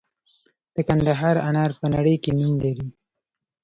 د کندهار انار په نړۍ کې نوم لري.